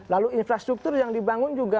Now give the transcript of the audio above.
lalu infrastruktur yang dibangun juga